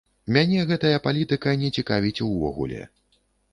Мяне гэтая палітыка не цікавіць увогуле!